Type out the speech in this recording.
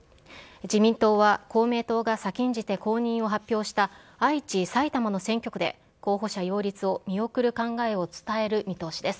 自民党は、公明党が先んじて公認を発表した愛知、埼玉の選挙区で候補者擁立を見送る考えを伝える見通しです。